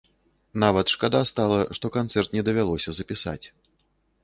Нават шкада стала, што канцэрт не давялося запісаць.